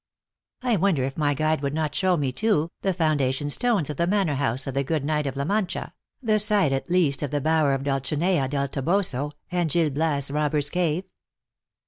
I wonder if my guide could not show me, too, the found ation stones of the manor house of the good knight of La Mancha, the site at least of the bower of Dnlcinea del Toboso, and Gil Bias robbers cave